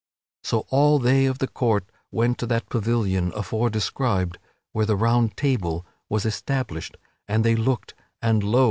So all they of the court went to that pavilion afore described, where the Round Table was established, and they looked; and lo!